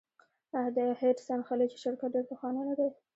آیا د هډسن خلیج شرکت ډیر پخوانی نه دی؟